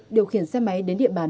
điều khiển xe máy đến địa bàn